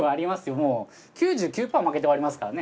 もう９９％負けて終わりますからね